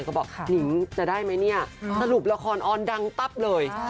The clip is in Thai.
ก็บอกนิงจะได้ไหมเนี่ยสรุปละครออนดังปั๊บเลย